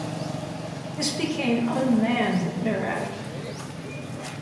This became unmanned thereafter.